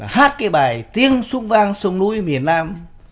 hát cái bài tiếng súng vang sông núi miền nam